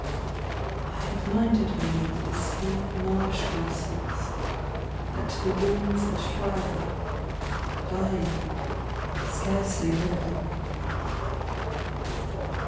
... I have minded me Of the slim marsh grasses That the winds at twilight, Dying, scarcely ripple.